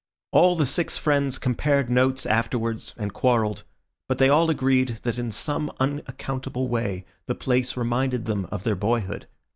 All the six friends compared notes afterwards and quarrelled; but they all agreed that in some unaccountable way the place reminded them of their boyhood.